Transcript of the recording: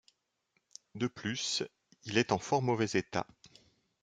De plus, il est en fort mauvais état.